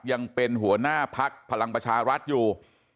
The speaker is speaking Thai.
ยังเป็นหัวหน้าพักพลังประชารัฐอยู่